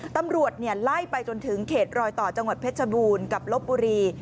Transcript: ตำรวจไล่ไปจนถึงเขตรอยต่อจังหวัดเพชรบูรณ์กับลบบุรี